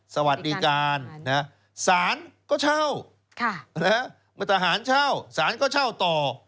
สวัสดีการสารก็เช่าเมื่อทหารเช่าสารก็เช่าต่อ